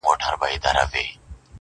داګردش دزمانې دی ملنګ جانه